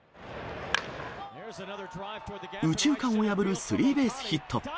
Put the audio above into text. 右中間を破るスリーベースヒット。